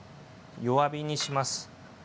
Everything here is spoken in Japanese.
弱火にします。